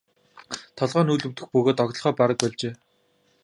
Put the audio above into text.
Толгой нь үл өвдөх бөгөөд доголохоо бараг больжээ.